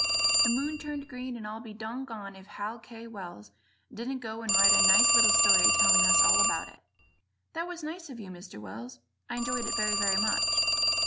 The moon turned green, and I'll be doggone if Hal K. Wells didn't go and write a nice little story telling us all about it. That was nice of you, Mr. Wells; I enjoyed it very, very much.